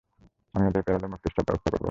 আমি ওদের প্যারোলে মুক্তির সব ব্যবস্থা করব।